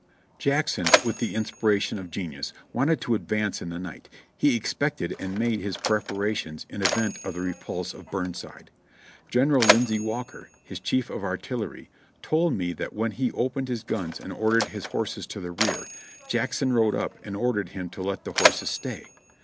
Jackson, with the inspiration of genius, wanted to advance in the night; he expected and made his preparations in event of the repulse of Burnside. General Lindsay Walker, his Chief of Artillery, told me that when he opened his guns and ordered his horses to the rear, Jackson rode up and ordered him to let the horses stay.